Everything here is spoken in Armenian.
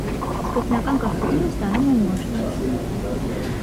Սկզբնական կրթությունը ստանում է մոր շնորհիվ։